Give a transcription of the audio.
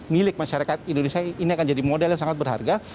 milik masyarakat indonesia ini akan jadi model yang sangat berharga